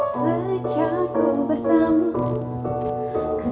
sejak ku bertemu